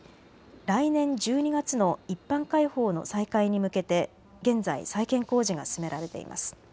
来年１２月の一般開放の再開に向けて現在、再建工事が進められています。